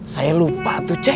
saya lupa tuh cek